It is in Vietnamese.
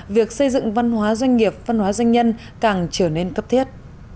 việc xây dựng văn hóa doanh nghiệp văn hóa doanh nhân càng trở nên cấp thiết